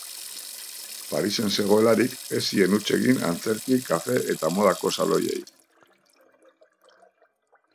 Parisen zegoelarik, ez zien huts egin antzerki, kafe eta modako saloiei.